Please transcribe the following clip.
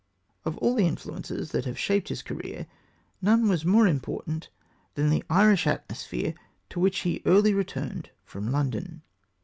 Of all the influences that have shaped his career, none was more important than the Irish atmosphere to which he early returned from London.